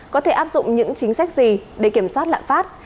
có thể áp dụng những chính sách gì để kiểm soát lạm phát